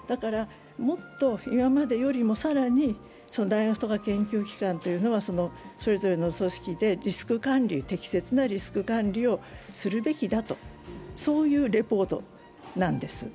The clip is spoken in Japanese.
もっと今までよりも更に大学とか研究機関というのはそれぞれの組織で適切なリスク管理をするべきだという、そういうレポートなんです。